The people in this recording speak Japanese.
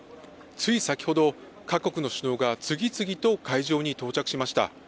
つい先ほど、各国の首脳が次々と会場に到着しました。